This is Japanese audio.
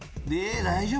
大丈夫？